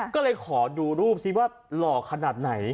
ก็เลยขอดูรูปซิว่าหล่อขนาดไหน